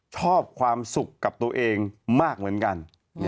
ชอบความสุขกับตัวเองมากเหมือนกัน